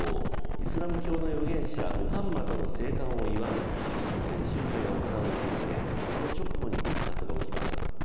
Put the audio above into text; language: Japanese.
イスラム教の預言者ムハンマドの誕生を祝う集会が行われていてこの直後に爆発が起きます。